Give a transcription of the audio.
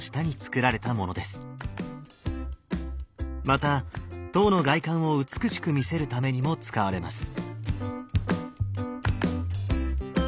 また塔の外観を美しく見せるためにも使われます。